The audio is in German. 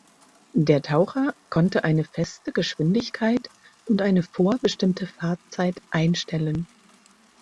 Der Taucher konnte eine feste Geschwindigkeit und eine vorbestimmte Fahrtzeit einstellen.